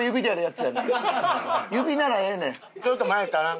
指ならええねん。